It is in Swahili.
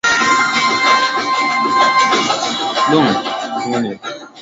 wataadhibiwa kwa kutekeleza sheria za rwanda za makosa ya jinai wanaostahili kusaidiwa ni yatima